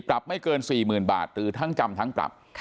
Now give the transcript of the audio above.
ไม่เกิน๔๐๐๐บาทหรือทั้งจำทั้งปรับ